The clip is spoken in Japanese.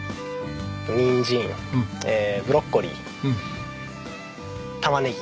ニンジンブロッコリー玉ねぎ。